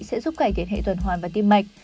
sẽ giúp cải tiến hệ tuần hoàn và tim mạch